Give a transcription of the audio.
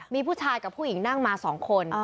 มีผู้ชายกับผู้หญิงนั่งมา๒คน